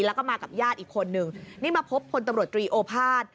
แล้วก็มากับญาติอีกคนนึงนี่มาพบพลตำรวจตรีโอภาษย์